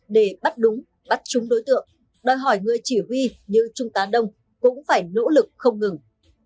để bắt đúng bắt chúng đối tượng đòi hỏi người chỉ huy như trung tá đông cũng phải nỗ lực không ngừng